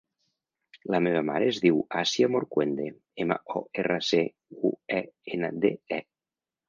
La meva mare es diu Asia Morcuende: ema, o, erra, ce, u, e, ena, de, e.